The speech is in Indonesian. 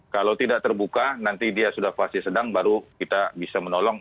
kalau tidak terbuka nanti dia sudah fase sedang baru kita bisa menolong